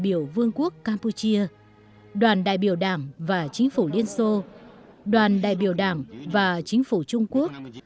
biểu vương quốc campuchia đoàn đại biểu đảng và chính phủ liên xô đoàn đại biểu đảng và chính phủ trung quốc